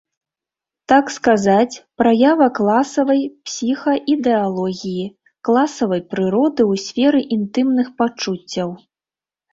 Так сказаць, праява класавай псіхаідэалогіі, класавай прыроды ў сферы інтымных пачуццяў.